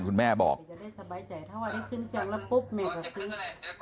คุณแม่บอกจะได้สบายใจถ้าว่าได้ขึ้นจังแล้วปุ๊บ